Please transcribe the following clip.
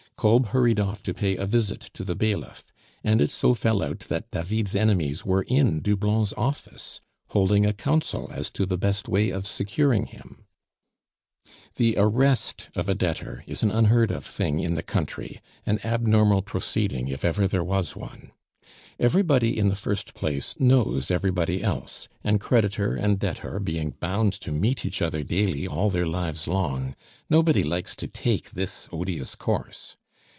Kolb hurried off to pay a visit to the bailiff; and it so fell out that David's enemies were in Doublon's office, holding a council as to the best way of securing him. The arrest of a debtor is an unheard of thing in the country, an abnormal proceeding if ever there was one. Everybody, in the first place, knows everybody else, and creditor and debtor being bound to meet each other daily all their lives long, nobody likes to take this odious course.